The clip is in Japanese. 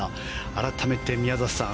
改めて、宮里さん